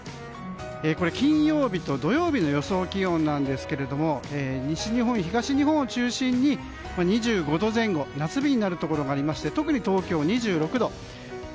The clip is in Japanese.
これは金曜日と土曜日の予想気温なんですが西日本、東日本を中心に２５度前後夏日になるところがありまして特に東京は２６度。